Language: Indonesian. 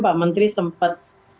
kemarin pak menteri sempat